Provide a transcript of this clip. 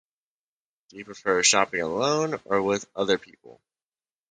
Do you prefer shopping alone or with other people?